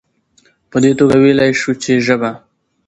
په دي توګه ويلايي شو چې ژبه